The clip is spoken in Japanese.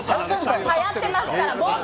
はやってますから。